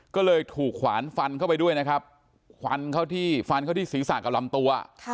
ก็เลยถูกขวานฟันเข้าไปด้วยนะครับฟันเข้าที่ฟันเข้าที่ศีรษะกับลำตัว